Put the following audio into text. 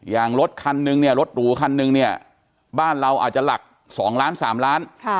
อย่างรถหรูคันหนึ่งบ้านเราอาจจะหลัก๒ล้าน๓ล้าน